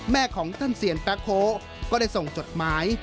ของท่านเซียนแป๊โฮก็ได้ส่งจดหมาย